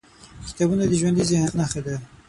کتابونه د ژوندي ذهن نښه ده.